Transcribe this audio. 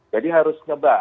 jadi harus nyebar